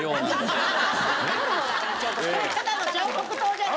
それただの彫刻刀じゃない。